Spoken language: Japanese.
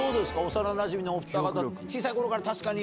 幼なじみのおふた方。